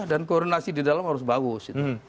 dan koordinasi di dalam harus bagus